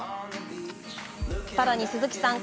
さらに鈴木さん